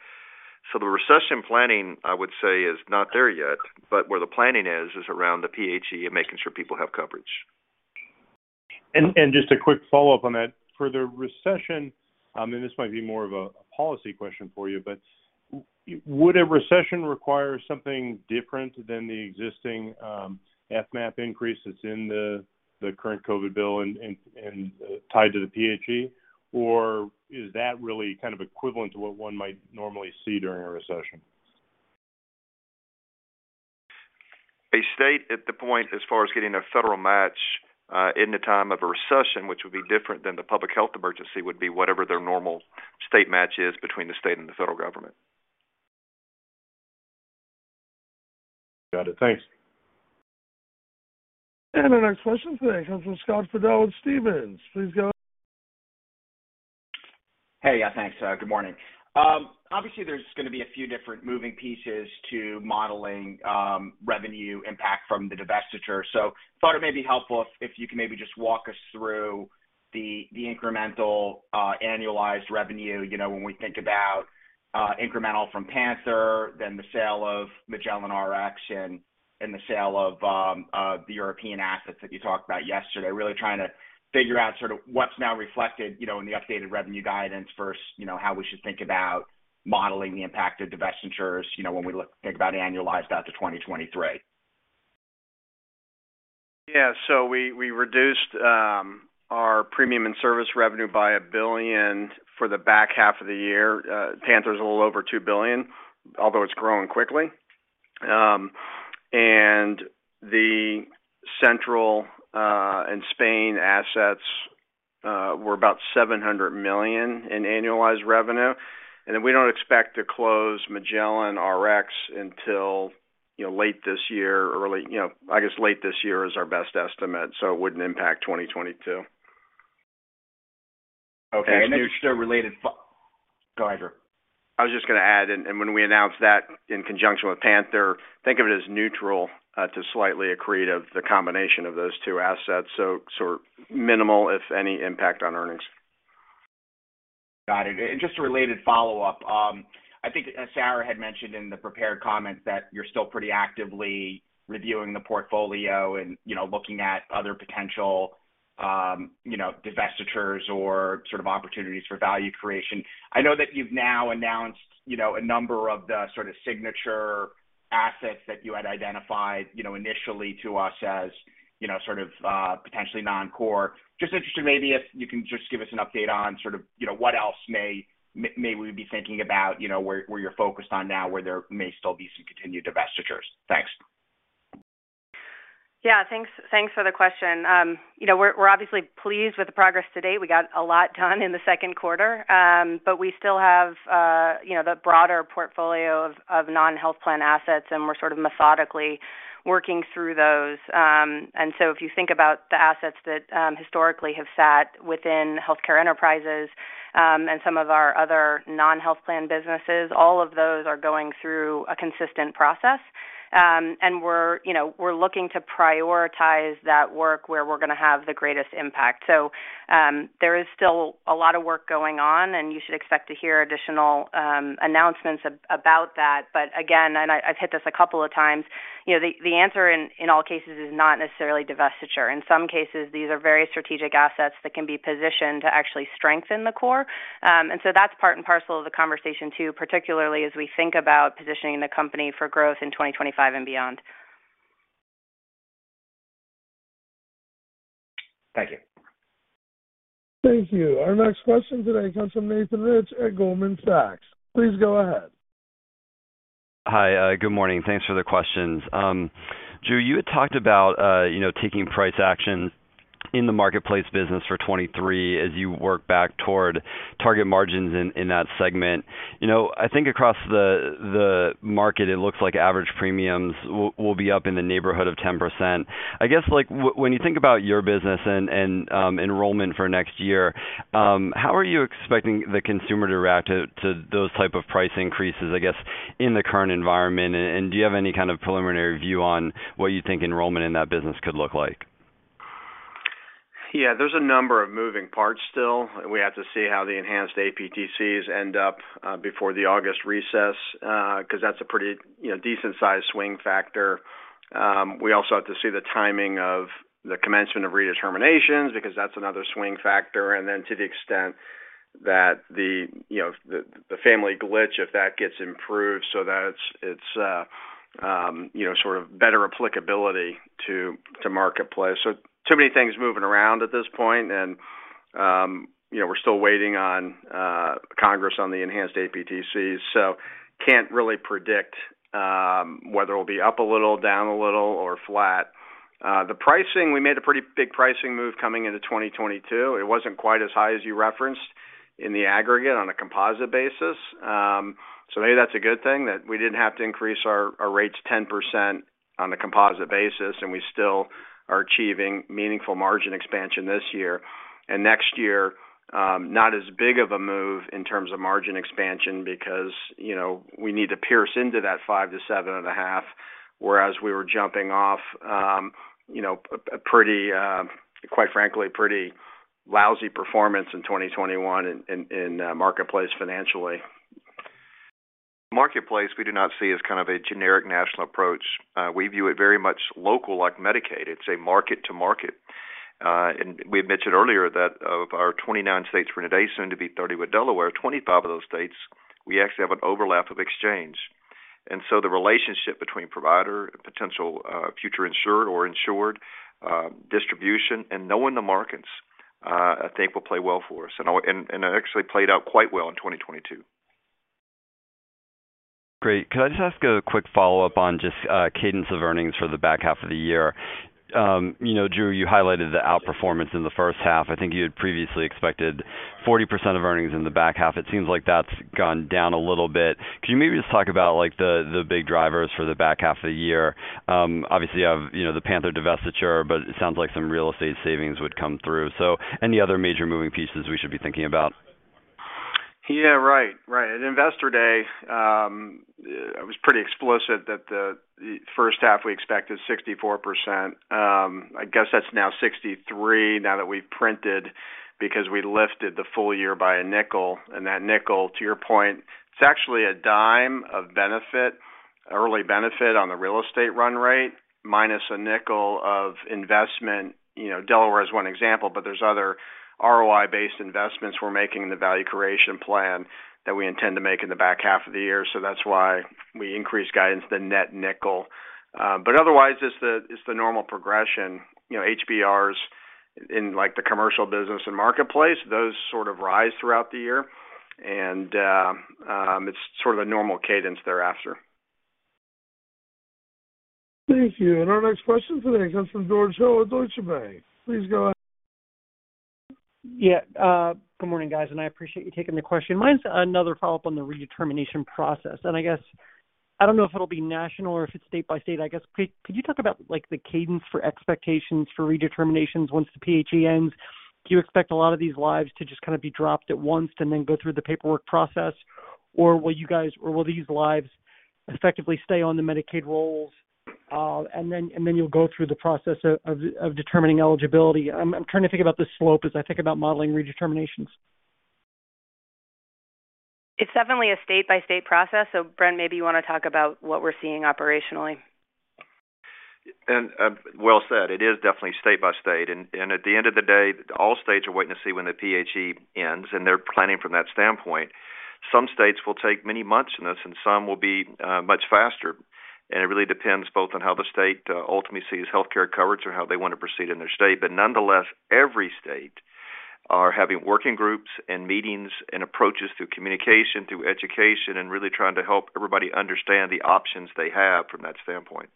The recession planning, I would say, is not there yet, but where the planning is around the PHE and making sure people have coverage. Just a quick follow-up on that. For the recession, I mean, this might be more of a policy question for you, but would a recession require something different than the existing FMAP increase that's in the current COVID bill and tied to the PHE? Or is that really kind of equivalent to what one might normally see during a recession? A state at that point as far as getting a federal match, in the time of a recession, which would be different than the public health emergency, would be whatever their normal state match is between the state and the federal government. Got it. Thanks. Our next question today comes from Scott Fidel with Stephens. Please go ahead. Hey. Yeah, thanks. Good morning. Obviously there's gonna be a few different moving pieces to modeling revenue impact from the divestiture. Thought it may be helpful if you can maybe just walk us through the incremental annualized revenue, you know, when we think about incremental from PANTHERx, then the sale of Magellan Rx, and the sale of the European assets that you talked about yesterday. Really trying to figure out sort of what's now reflected, you know, in the updated revenue guidance versus, you know, how we should think about modeling the impact of divestitures, you know, when we think about annualized out to 2023. We reduced our premium and service revenue by $1 billion for the back half of the year. PANTHERx's a little over $2 billion, although it's growing quickly. The Central and Spain assets were about $700 million in annualized revenue. We don't expect to close Magellan Rx until, you know, late this year or late, you know, I guess late this year is our best estimate, so it wouldn't impact 2022. Okay. Go ahead, Drew. I was just gonna add, and when we announced that in conjunction with PANTHERx, think of it as neutral to slightly accretive, the combination of those two assets, so sort of minimal, if any, impact on earnings. Got it. Just a related follow-up. I think Sarah had mentioned in the prepared comments that you're still pretty actively reviewing the portfolio and, you know, looking at other potential, you know, divestitures or sort of opportunities for value creation. I know that you've now announced, you know, a number of the sort of signature assets that you had identified, you know, initially to us as, you know, sort of, potentially non-core. Just interested maybe if you can just give us an update on sort of, you know, what else may we be thinking about, you know, where you're focused on now, where there may still be some continued divestitures. Thanks. Yeah, thanks. Thanks for the question. You know, we're obviously pleased with the progress to date. We got a lot done in the second quarter. But we still have, you know, the broader portfolio of non-health plan assets, and we're sort of methodically working through those. If you think about the assets that historically have sat within healthcare enterprises, and some of our other non-health plan businesses, all of those are going through a consistent process. You know, we're looking to prioritize that work where we're gonna have the greatest impact. There is still a lot of work going on, and you should expect to hear additional announcements about that. Again, I've hit this a couple of times, you know, the answer in all cases is not necessarily divestiture. In some cases, these are very strategic assets that can be positioned to actually strengthen the core. That's part and parcel of the conversation too, particularly as we think about positioning the company for growth in 2025 and beyond. Thank you. Thank you. Our next question today comes from Nathan Rich at Goldman Sachs. Please go ahead. Hi. Good morning. Thanks for the questions. Drew, you had talked about, you know, taking price action in the marketplace business for 2023 as you work back toward target margins in that segment. You know, I think across the market, it looks like average premiums will be up in the neighborhood of 10%. I guess, like, when you think about your business and enrollment for next year, how are you expecting the consumer to react to those type of price increases, I guess, in the current environment? Do you have any kind of preliminary view on what you think enrollment in that business could look like? Yeah. There's a number of moving parts still. We have to see how the enhanced APTCs end up before the August recess 'cause that's a pretty, you know, decent sized swing factor. We also have to see the timing of the commencement of redeterminations because that's another swing factor. To the extent that the, you know, the family glitch, if that gets improved so that it's you know, sort of better applicability to marketplace. Too many things moving around at this point, and you know, we're still waiting on Congress on the enhanced APTCs. Can't really predict whether it'll be up a little, down a little, or flat. The pricing, we made a pretty big pricing move coming into 2022. It wasn't quite as high as you referenced in the aggregate on a composite basis. So maybe that's a good thing that we didn't have to increase our rates 10% on a composite basis, and we still are achieving meaningful margin expansion this year. Next year, not as big of a move in terms of margin expansion because, you know, we need to pierce into that 5%-7.5%, whereas we were jumping off a pretty, quite frankly, pretty lousy performance in 2021 in marketplace financially. Marketplace, we do not see as kind of a generic national approach. We view it very much local, like Medicaid. It's a market to market. We had mentioned earlier that of our 29 states, we're today soon to be 30 with Delaware. Twenty-five of those states we actually have an overlap of exchange. The relationship between provider and potential future insured or insured distribution and knowing the markets, I think will play well for us, and it actually played out quite well in 2022. Great. Could I just ask a quick follow-up on just, cadence of earnings for the back half of the year? You know, Drew, you highlighted the outperformance in the first half. I think you had previously expected 40% of earnings in the back half. It seems like that's gone down a little bit. Could you maybe just talk about, like, the big drivers for the back half of the year? Obviously, you have, you know, the PANTHERx divestiture, but it sounds like some real estate savings would come through. So any other major moving pieces we should be thinking about? Yeah. Right. At Investor Day, I was pretty explicit that the first half we expected 64%. I guess that's now 63, now that we've printed, because we lifted the full year by a nickel. That nickel, to your point, it's actually a dime of benefit, early benefit on the real estate run rate, minus a nickel of investment. You know, Delaware is one example, but there's other ROI-based investments we're making in the Value Creation Plan that we intend to make in the back half of the year. That's why we increased guidance, the net nickel. Otherwise, it's the normal progression. You know, HBRs in, like, the commercial business and marketplace, those sort of rise throughout the year, and it's sort of a normal cadence thereafter. Thank you. Our next question today comes from George Hill at Deutsche Bank. Please go ahead. Yeah, good morning, guys, and I appreciate you taking the question. Mine's another follow-up on the redetermination process, and I guess I don't know if it'll be national or if it's state by state. Could you talk about, like, the cadence for expectations for redeterminations once the PHE ends? Do you expect a lot of these lives to just kind of be dropped at once and then go through the paperwork process? Or will these lives effectively stay on the Medicaid rolls, and then you'll go through the process of determining eligibility? I'm trying to think about the slope as I think about modeling redeterminations. It's definitely a state-by-state process. Brent, maybe you want to talk about what we're seeing operationally. Well said. It is definitely state by state. At the end of the day, all states are waiting to see when the PHE ends, and they're planning from that standpoint. Some states will take many months in this, and some will be much faster. It really depends both on how the state ultimately sees healthcare coverage or how they want to proceed in their state. Nonetheless, every state are having working groups and meetings and approaches through communication, through education, and really trying to help everybody understand the options they have from that standpoint.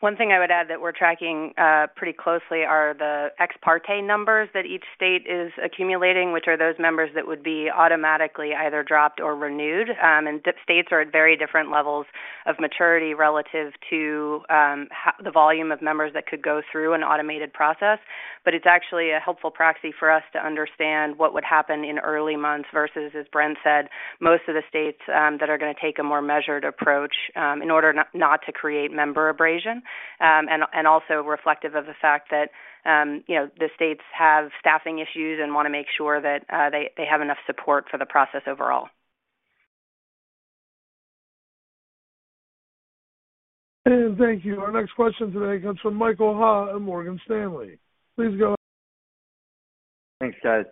One thing I would add that we're tracking pretty closely are the ex parte numbers that each state is accumulating, which are those members that would be automatically either dropped or renewed. States are at very different levels of maturity relative to the volume of members that could go through an automated process. It's actually a helpful proxy for us to understand what would happen in early months versus, as Brent said, most of the states that are gonna take a more measured approach in order not to create member attrition. Also reflective of the fact that, you know, the states have staffing issues and wanna make sure that they have enough support for the process overall. Thank you. Our next question today comes from Michael Ha at Morgan Stanley. Please go ahead. Thanks, guys.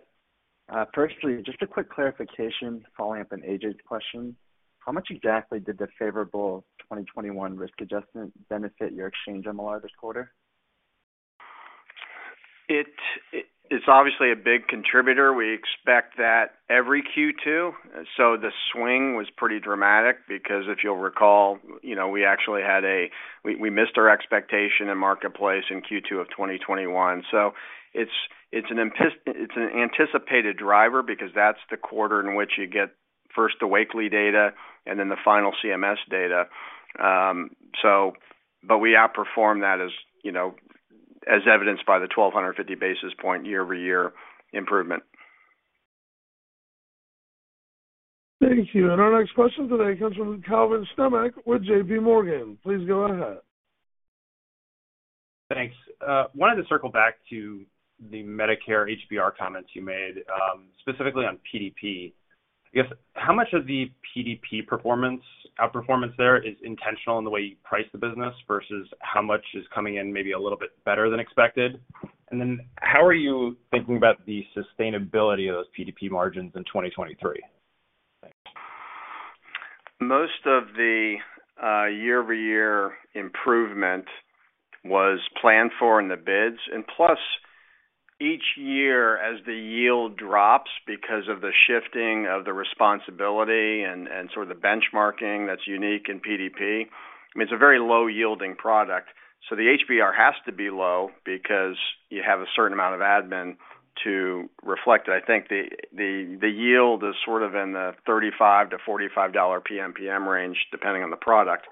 Firstly, just a quick clarification following up on A.J.'s question. How much exactly did the favorable 2021 risk adjustment benefit your exchange MLR this quarter? It is obviously a big contributor. We expect that every Q2. The swing was pretty dramatic because if you'll recall, we actually missed our expectation in marketplace in Q2 of 2021. It's an anticipated driver because that's the quarter in which you get first the weekly data and then the final CMS data. But we outperformed that as evidenced by the 1,250 basis point year-over-year improvement. Thank you. Our next question today comes from Calvin Sternick with J.P. Morgan. Please go ahead. Thanks. Wanted to circle back to the Medicare HBR comments you made, specifically on PDP. I guess how much of the PDP performance, outperformance there is intentional in the way you price the business versus how much is coming in maybe a little bit better than expected? How are you thinking about the sustainability of those PDP margins in 2023? Thanks. Most of the year-over-year improvement was planned for in the bids. Plus each year, as the yield drops because of the shifting of the responsibility and sort of the benchmarking that's unique in PDP, I mean, it's a very low yielding product. The HBR has to be low because you have a certain amount of admin to reflect. I think the yield is sort of in the $35-$45 PMPM range, depending on the product.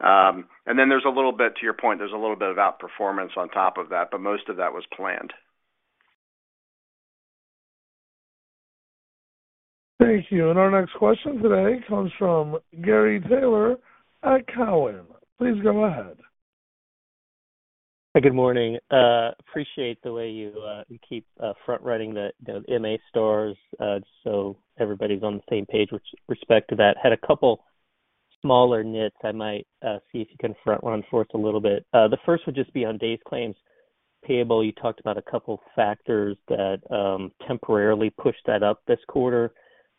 Then there's a little bit to your point, there's a little bit of outperformance on top of that, but most of that was planned. Thank you. Our next question today comes from Gary Taylor at Cowen. Please go ahead. Good morning. Appreciate the way you keep front running the MA Stars so everybody's on the same page with respect to that. Had a couple smaller knits I might see if you can front run for us a little bit. The first would just be on days claims payable. You talked about a couple factors that temporarily pushed that up this quarter.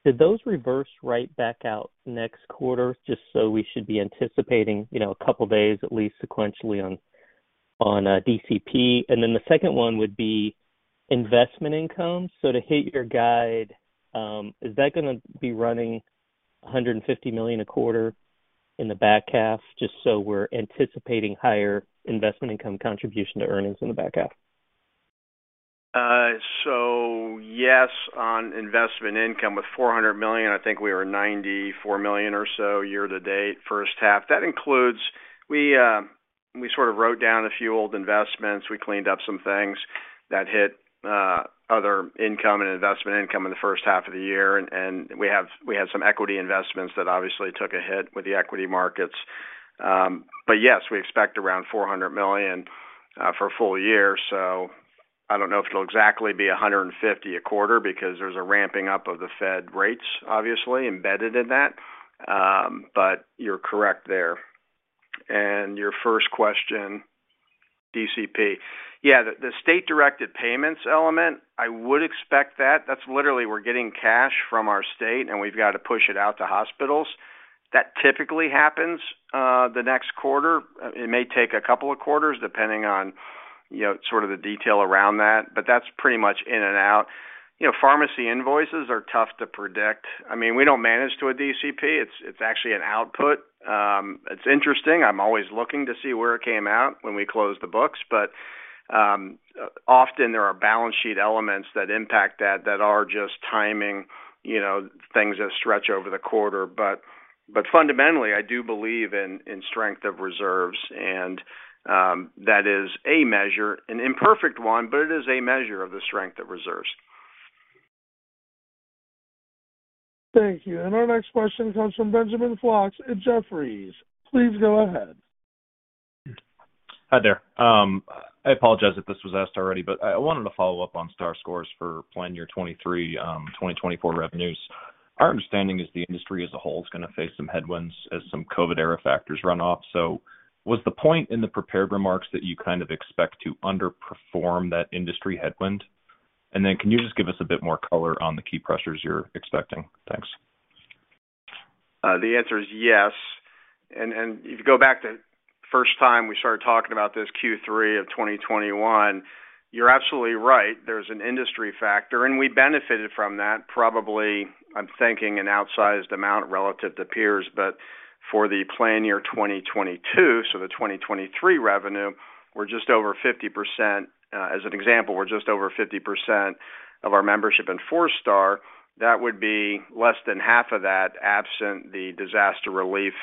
Did those reverse right back out next quarter, just so we should be anticipating, you know, a couple days at least sequentially on DCP? Then the second one would be investment income. To hit your guide, is that gonna be running $150 million a quarter in the back half, just so we're anticipating higher investment income contribution to earnings in the back half. Yes, on investment income with $400 million, I think we were $94 million or so year-to-date first half. That includes. We sort of wrote down a few old investments. We cleaned up some things that hit other income and investment income in the first half of the year. We had some equity investments that obviously took a hit with the equity markets. Yes, we expect around $400 million for a full year, so I don't know if it'll exactly be 150 a quarter because there's a ramping up of the Fed rates obviously embedded in that. You're correct there. Your first question, DCP. Yeah, the state-directed payments element, I would expect that. That's literally we're getting cash from our state, and we've got to push it out to hospitals. That typically happens the next quarter. It may take a couple of quarters depending on, you know, sort of the detail around that, but that's pretty much in and out. You know, pharmacy invoices are tough to predict. I mean, we don't manage to a DCP. It's actually an output. It's interesting. I'm always looking to see where it came out when we close the books, but often there are balance sheet elements that impact that are just timing, you know, things that stretch over the quarter. But fundamentally, I do believe in strength of reserves and that is a measure, an imperfect one, but it is a measure of the strength of reserves. Thank you. Our next question comes from Benjamin Flox at Jefferies. Please go ahead. Hi there. I apologize if this was asked already, but I wanted to follow up on Star scores for plan year 2023, 2024 revenues. Our understanding is the industry as a whole is gonna face some headwinds as some COVID era factors run off. Was the point in the prepared remarks that you kind of expect to underperform that industry headwind? Then can you just give us a bit more color on the key pressures you're expecting? Thanks. The answer is yes. If you go back to first time we started talking about this, Q3 of 2021, you're absolutely right. There's an industry factor, and we benefited from that, probably, I'm thinking an outsized amount relative to peers. For the plan year 2022, so the 2023 revenue, we're just over 50%. As an example, we're just over 50% of our membership in Four Star. That would be less than half of that absent the disaster relief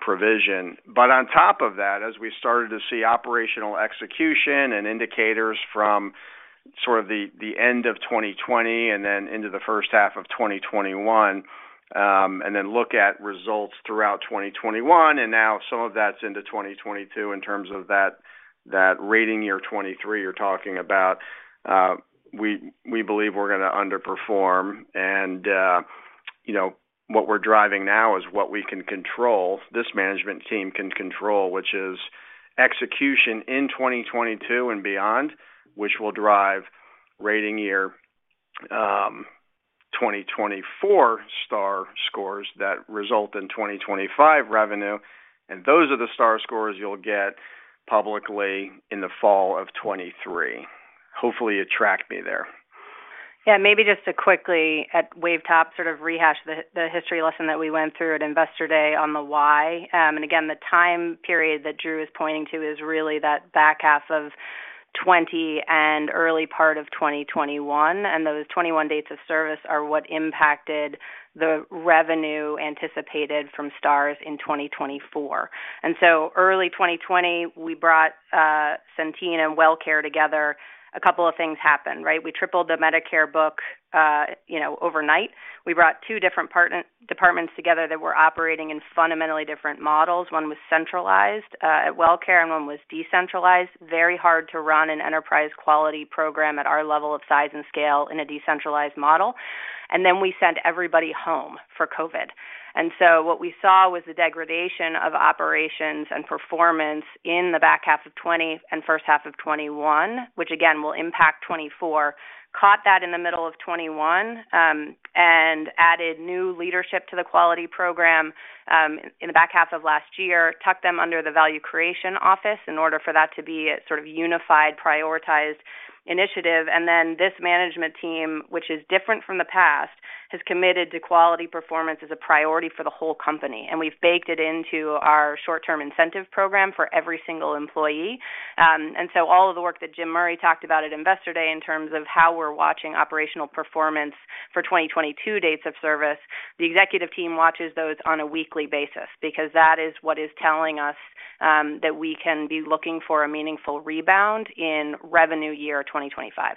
provision. On top of that, as we started to see operational execution and indicators from sort of the end of 2020 and then into the first half of 2021, and then look at results throughout 2021, and now some of that's into 2022 in terms of that rating year 2023 you're talking about, we believe we're gonna underperform. You know, what we're driving now is what we can control, this management team can control, which is execution in 2022 and beyond, which will drive rating year 2024 Star scores that result in 2025 revenue, and those are the star scores you'll get publicly in the fall of 2023. Hopefully you tracked me there. Yeah, maybe just to quickly, at wave top, sort of rehash the history lesson that we went through at Investor Day on the Y. The time period that Drew is pointing to is really that back half of 2020 and early part of 2021, and those 2021 dates of service are what impacted the revenue anticipated from Stars in 2024. Early 2020, we brought Centene and Wellcare together. A couple of things happened, right? We tripled the Medicare book, you know, overnight. We brought two different departments together that were operating in fundamentally different models. One was centralized at Wellcare, and one was decentralized. Very hard to run an enterprise quality program at our level of size and scale in a decentralized model. Then we sent everybody home for COVID. What we saw was the degradation of operations and performance in the back half of 2020 and first half of 2021, which again will impact 2024. Caught that in the middle of 2021, and added new leadership to the quality program, in the back half of last year, tucked them under the value creation office in order for that to be a sort of unified prioritized initiative. This management team, which is different from the past, has committed to quality performance as a priority for the whole company, and we've baked it into our short-term incentive program for every single employee. All of the work that Jim Murray talked about at Investor Day in terms of how we're watching operational performance for 2022 dates of service, the executive team watches those on a weekly basis because that is what is telling us that we can be looking for a meaningful rebound in revenue year 2025.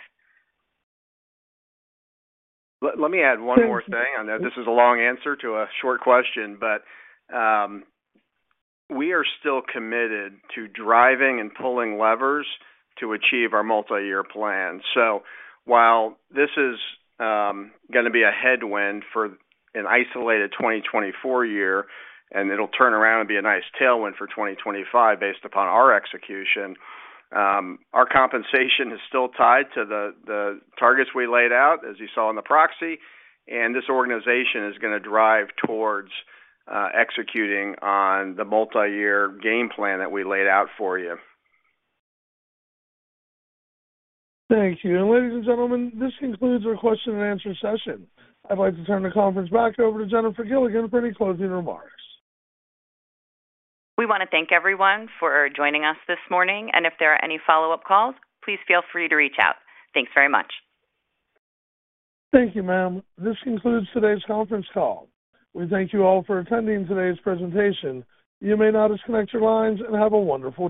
Let me add one more thing. I know this is a long answer to a short question, but we are still committed to driving and pulling levers to achieve our multi-year plan. While this is gonna be a headwind for an isolated 2024 year, and it'll turn around and be a nice tailwind for 2025 based upon our execution, our compensation is still tied to the targets we laid out, as you saw in the proxy, and this organization is gonna drive towards executing on the multi-year game plan that we laid out for you. Thank you. Ladies and gentlemen, this concludes our question and answer session. I'd like to turn the conference back over to Jennifer Gilligan for any closing remarks. We wanna thank everyone for joining us this morning. If there are any follow-up calls, please feel free to reach out. Thanks very much. Thank you, ma'am. This concludes today's conference call. We thank you all for attending today's presentation. You may now disconnect your lines and have a wonderful day.